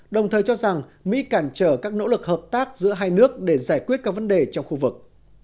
đồng thời cho rằng mỹ cản trở các nỗ lực hợp tác giữa hai nước để giải quyết các vấn đề trong khu vực